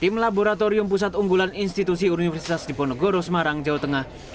tim laboratorium pusat unggulan institusi universitas diponegoro semarang jawa tengah